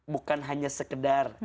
bukan hanya sekedar